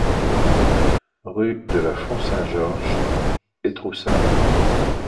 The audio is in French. Rue de la Font Saint-Georges, Étroussat